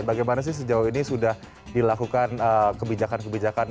bagaimana sih sejauh ini sudah dilakukan kebijakan kebijakan